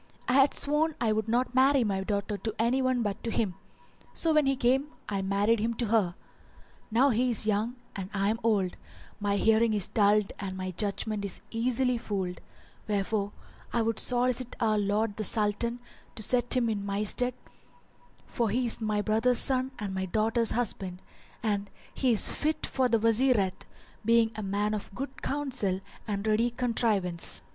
I had sworn I would not marry my daughter to any but to him; so when he came I married him to her. [FN#385] Now he is young and I am old; my hearing is dulled and my judgement is easily fooled; wherefore I would solicit our lord the Sultan [FN#386] to set him in my stead, for he is my brother's son and my daughter's husband; and he is fit for the Wazirate, being a man of good counsel and ready contrivance."